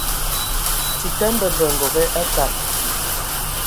Tita mbembə ngoge aa tad.